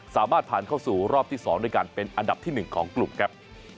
สามารถผ่านเข้าสู่รอบที่๒ด้วยกันเป็นอันดับที่๑ของกลุ่มครับ